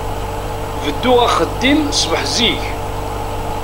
Bedduɣ axeddim ṣbeḥ zik.